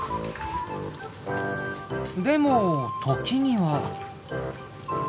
でも時には。